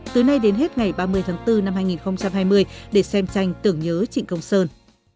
từ nay đến hết ngày ba mươi tháng bốn năm hai nghìn hai mươi để xem tranh tưởng nhớ trịnh công sơn